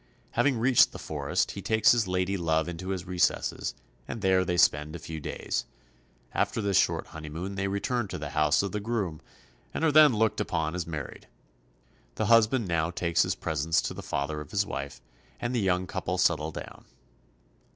Having reached the forest, he takes his lady love into its recesses, and there they spend a few days. After this short honeymoon they return to the house of the groom, and are then looked upon as married. The husband now takes his presents to the father of his wife, and the young couple set tle down.